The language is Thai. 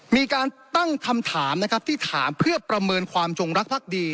มีการตั้งคำถามนะครับที่ถามเพื่อประเมินความจงรักภักดี